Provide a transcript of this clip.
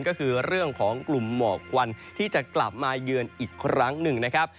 ก็คือเรื่องของกลุ่มหมอกควันที่จะกลับมาเยือนอีกครั้งหนึ่งนะครับ